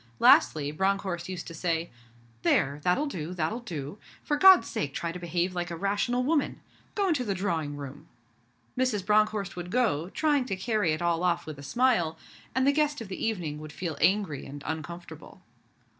Lastly, Bronckhorst used to say, 'There! That'll do, that'll do. For God's sake try to behave like a rational woman. Go into the drawing room.' Mrs. Bronckhorst would go, trying to carry it all off with a smile; and the guest of the evening would feel angry and uncomfortable.